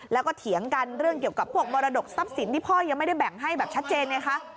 แล้วก็เถียงกันเรื่องเกี่ยวกับพวกมรดกทรัพย์สินที่พ่อยังไม่ได้แบ่งให้แบบชัดเจนไงคะ